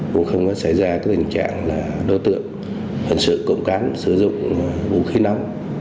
cũng không xảy ra tình trạng là đô tượng phần sự cộng cán sử dụng vũ khí nóng